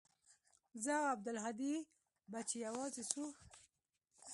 زه او عبدالهادي به چې يوازې سو.